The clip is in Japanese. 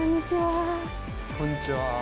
こんにちは。